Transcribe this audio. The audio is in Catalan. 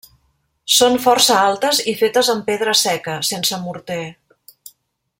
Són força altes i fetes amb pedra seca, sense morter.